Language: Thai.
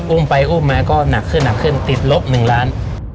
อุ้มไปอุ้มมาก็หนักขึ้นติดลบหนึ่งล้าน